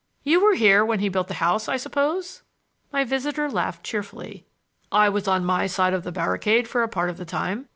"You were here when he built the house, I suppose?" My visitor laughed cheerfully. "I was on my side of the barricade for a part of the time.